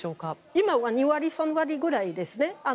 今は２割、３割くらいですね。